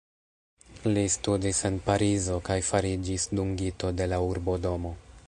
Li studis en Parizo kaj fariĝis dungito de la Urbodomo.